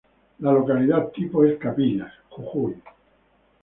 La localidad tipo es Capillas, Jujuy.